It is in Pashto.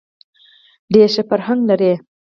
ډېر ښه فرهنګ لري.